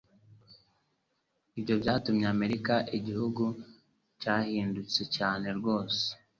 Ibyo byatumye Amerika igihugu cyahindutse cyane rwose